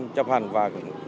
chấp hành và